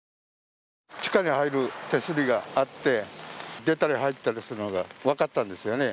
地下に入る手すりがあって、出たり入ったりするのが分かったんですよね。